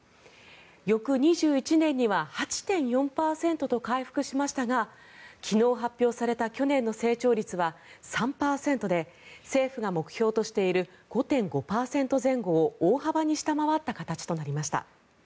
翌２１年には８．４％と回復しましたが昨日発表された去年の成長率は３％で政府が目標としている５．５％前後を大幅に下回った形となりました。